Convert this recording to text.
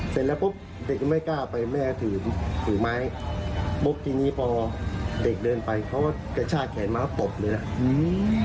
เสร็จแล้วปุ๊บเด็กยังไม่กล้าไปแม่ถือไม้ปุ๊บทีนี้พอเด็กเดินไปเขากระชากแขนมาปบเลยอ่ะ